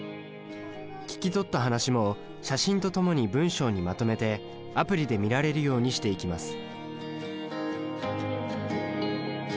聞き取った話も写真とともに文章にまとめてアプリで見られるようにしていきます。